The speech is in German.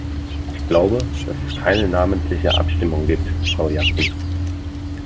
Ich glaube, dass es keine namentliche Abstimmung gibt, Frau Jackson.